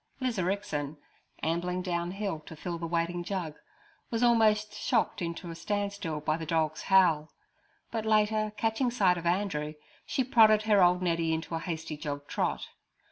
Lizarixin, ambling down hill to fill the waiting jug, was almost shocked into a standstill by the dog's howl; but later catching sight of Andrew, she prodded her old Neddy into a hasty jog trot.